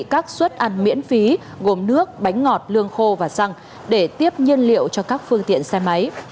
hội phụ nữ công an tỉnh quảng bình chuẩn bị các suất ăn miễn phí gồm nước bánh ngọt lương khô và xăng để tiếp nhiên liệu cho các phương tiện xe máy